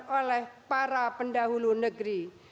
oleh para pendahulu negeri